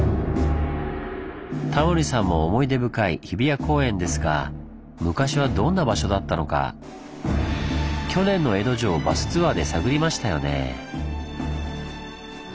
タモリさんも思い出深い日比谷公園ですが昔はどんな場所だったのか去年の江戸城バスツアーで探りましたよね。